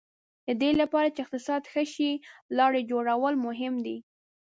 د دې لپاره چې اقتصاد ښه شي لارې جوړول مهم دي.